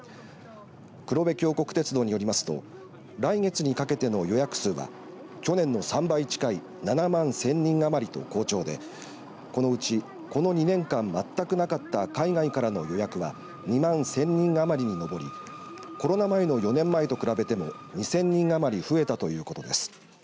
黒部峡谷鉄道によりますと来月にかけての予約数は去年の３倍近い７万１０００人余りと好調でこのうちこの２年間全くなかった海外からの予約は２万１０００人余りに上りコロナ前の４年前と比べても２０００人余り増えたということです。